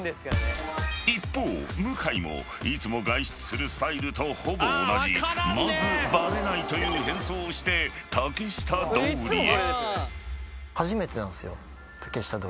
［一方向井もいつも外出するスタイルとほぼ同じまずバレないという変装をして竹下通りへ］